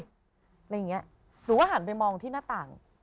อะไรอย่างนี้หนูก็หันไปมองที่หน้าต่าง